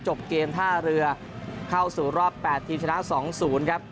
จบเกมท่าเรือเข้าสู่รอบ๘ทีมชนะ๒๐ครับ